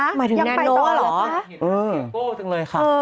อย่างไปต่อหรออย่างในโลกนี้จริง